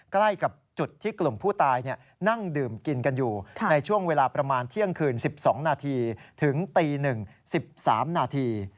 ใกล้กับจุดที่กลุ่มผู้ตายนั่งดื่มกินกันอยู่ในช่วงเวลาประมาณเที่ยงคืน๑๒นาทีถึงตี๑๑๓นาที